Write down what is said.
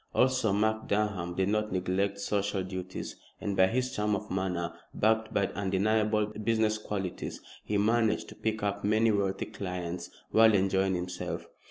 Also Mark Durham did not neglect social duties, and by his charm of manner, backed by undeniable business qualities, he managed to pick up many wealthy clients while enjoying himself.